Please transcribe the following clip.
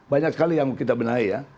banyak sekali yang kita benahi ya